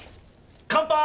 乾杯！